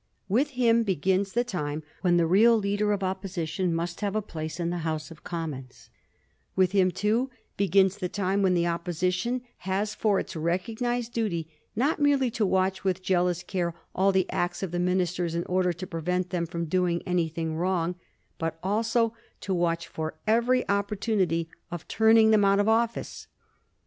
With him begins the time when the real Leader of Opposition must have a place in the House of Commons ; with him, too, begins the time when the Opposition has for its recognised duty not merely to watch with jealous care all the acts of the ministers in order to prevent them from doing anything wrong, but also to watch for every opportunity of turning them out of office.